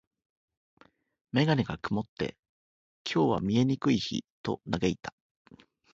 メガネが曇って、「今日は見えにくい日」と嘆いた。